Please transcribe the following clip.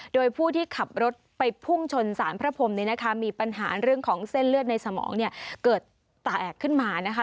โดยผู้ที่ขับรถไปพุ่งชนสารพระพรมนี้นะคะมีปัญหาเรื่องของเส้นเลือดในสมองเนี่ยเกิดแตกขึ้นมานะคะ